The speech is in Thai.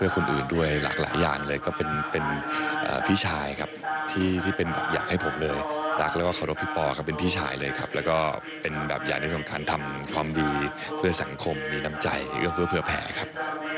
ความดีเพื่อสังคมมีน้ำใจหรือเพื่อแผ่ครับ